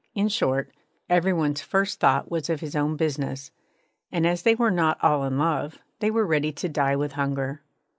In short, every one's first thought was of his own business; and, as they were not all in love, they were ready to die with hunger.